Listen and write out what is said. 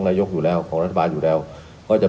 นะปัจจับวางหน่อยแล้วกัน